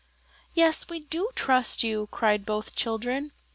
"Yes, we do trust you," cried both children.